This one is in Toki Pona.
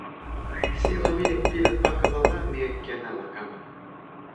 sijelo mi li pilin pakala la mi ken ala kama